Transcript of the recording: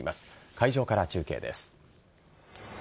会場から中継です。